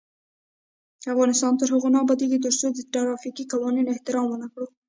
افغانستان تر هغو نه ابادیږي، ترڅو د ترافیکي قوانینو احترام ونکړو.